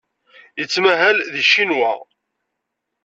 Yettmahal deg Ccinwa.